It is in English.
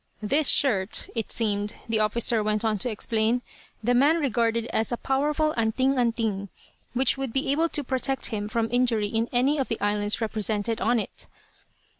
This shirt, it seemed, the officer went on to explain, the man regarded as a powerful "anting anting," which would be able to protect him from injury in any of the islands represented on it.